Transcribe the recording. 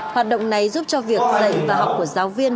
hoạt động này giúp cho việc dạy và học của giáo viên